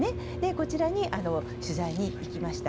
こちらに取材に行きました。